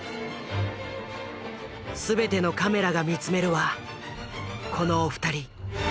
全てのカメラが見つめるはこのお二人。